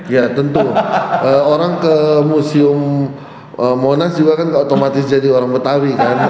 ya tentu orang ke museum monas juga kan otomatis jadi orang betawi kan